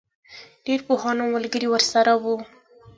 ډېری پوهان او ملګري ورسره وو.